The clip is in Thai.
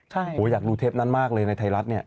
โอ้โหอยากดูเทปนั้นมากเลยในไทยรัฐเนี่ย